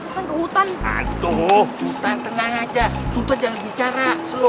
hutan hutan tenang aja jangan bicara